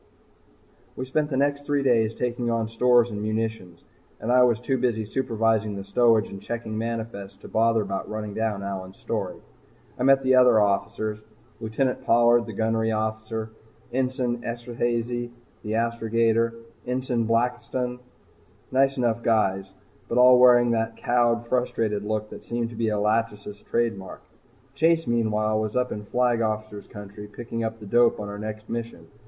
We spent the next three days taking on stores and munitions, and I was too busy supervising the stowage and checking manifests to bother about running down Allyn's story. I met the other officers Lt. Pollard the gunnery officer, Ensign Esterhazy the astrogator, and Ensign Blakiston. Nice enough guys, but all wearing that cowed, frustrated look that seemed to be a "Lachesis" trademark. Chase, meanwhile, was up in Flag Officer's Country picking up the dope on our next mission.